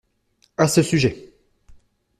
À ce sujet.